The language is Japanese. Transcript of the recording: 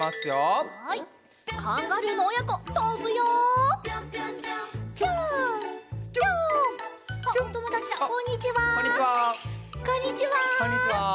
こんにちは。